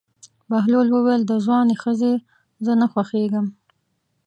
بهلول وویل: د ځوانې ښځې زه نه خوښېږم.